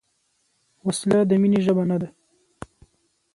وسله د مینې ژبه نه ده